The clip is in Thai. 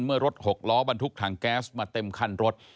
เมื่อรถ๖ล้อบันทุกห์ถังแก๊สมาเต็มครรภ์รถ